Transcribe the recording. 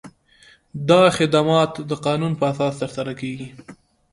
دا خدمات د قانون په اساس ترسره کیږي.